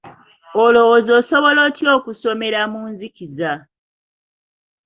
Olowooza asobola atya okusomera mu nzikiza?